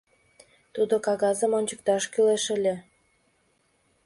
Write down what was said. Тудо кагазым ончыкташ кӱлеш ыле.